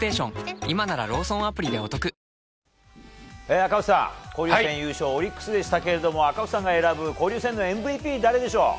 赤星さん、交流戦優勝オリックスでしたけど赤星さんが選ぶ交流戦のＭＶＰは誰でしょう？